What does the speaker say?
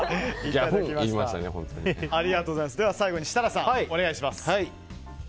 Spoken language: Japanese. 最後に設楽さん、お願いします。